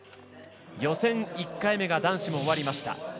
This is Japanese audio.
予選１回目が男子も終わりました。